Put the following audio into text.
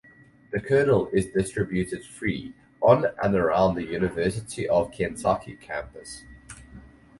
The "Kernel" is distributed free on and around the University of Kentucky campus.